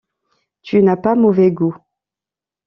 Tu n’as pas mauvais goût.